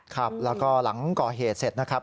ครับแล้วก็หลังก่อเหตุเสร็จนะครับ